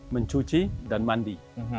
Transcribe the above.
mencuci dan mandi